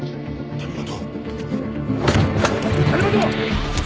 谷本！